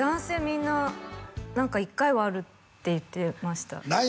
みんな何か「１回はある」って言ってましたな